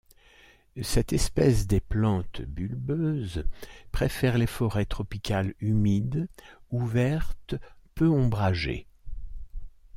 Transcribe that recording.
Cette espèce des plantes bulbeuses préfère les forêts tropicales humides ouvertes, peu ombragées.